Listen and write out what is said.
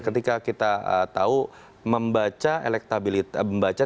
ketika kita tahu membaca